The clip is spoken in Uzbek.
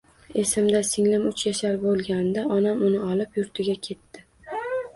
Esimda singlim uch yashar bo`lganida onam uni olib yurtiga ketdi